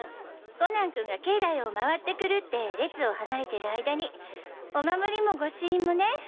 コナン君が境内を回ってくるって列を離れてる間にお守りも御朱印もね！